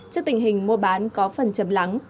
trước tình hình mua bán có phần chấm lắng